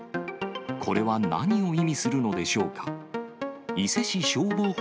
これは何を意味するのでしょうか。